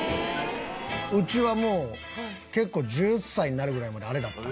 うちはもう結構１０歳になるぐらいまであれだった。